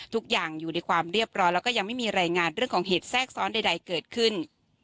ทุกอย่างอยู่ในความเรียบร้อยแล้วก็ยังไม่มีรายงานเรื่องของเหตุแทรกซ้อนใดเกิดขึ้น